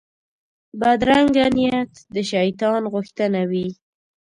بدرنګه نیت د شیطان غوښتنه وي